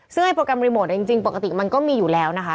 ซึ่งไอโปรแกรมรีโมทจริงปกติมันก็มีอยู่แล้วนะคะ